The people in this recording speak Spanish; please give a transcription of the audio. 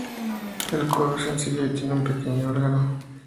El coro es sencillo y tiene un pequeño órgano.